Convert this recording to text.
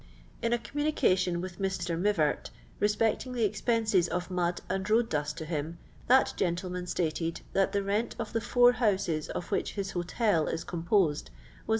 " In a communication with Mr. MiTart, respecting the expenses of mud and road dust to him, that gentleman stated that the rent of the four houses of which his hotel is composed, was 896